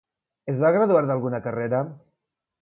Es va graduar d'alguna carrera?